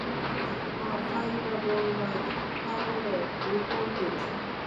A fireball was however reported.